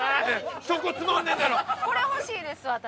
これ欲しいです私。